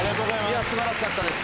いや素晴らしかったです。